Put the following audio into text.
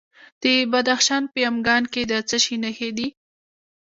د بدخشان په یمګان کې د څه شي نښې دي؟